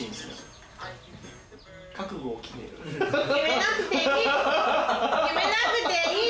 決めなくていい！